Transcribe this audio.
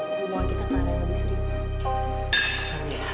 aku mau kita ke arah yang lebih serius